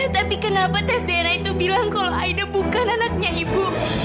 tapi kenapa tes darah itu bilang kalau ido bukan anaknya ibu